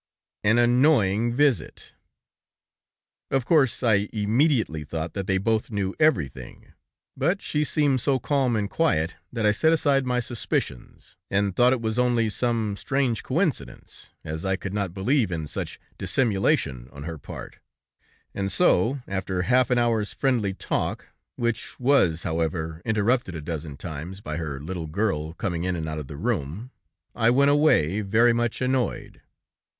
"'An annoying visit.' "Of course, I immediately thought that they both knew everything, but she seemed so calm and quiet, that I set aside my suspicions, and thought it was only some strange coincidence, as I could not believe in such dissimulation on her part, and so, after half an hour's friendly talk, which was, however, interrupted a dozen times by her little girl coming in and out of the room. I went away, very much annoyed.